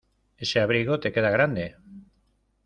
Ese abrigo te queda grande.